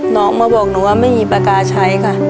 น้องมาบอกหนูว่าไม่มีปากกาใช้ค่ะ